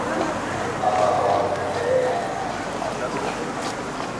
His mother was Vitellia.